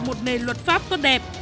một nền luật pháp tốt đẹp